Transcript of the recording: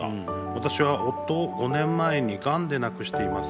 私は夫を５年前にがんで亡くしています。